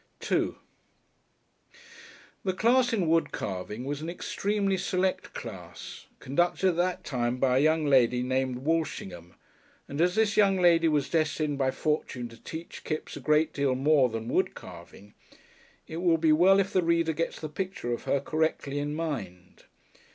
§2 The class in wood carving was an extremely select class, conducted at that time by a young lady named Walshingham, and as this young lady was destined by fortune to teach Kipps a great deal more than wood carving, it will be well if the reader gets the picture of her correctly in mind.